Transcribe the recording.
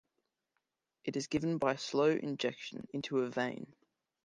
It is given by slow injection into a vein.